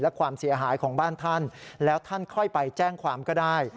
และความเสียหายของบ้านท่านแล้วท่านค่อยไปแจ้งความก็ได้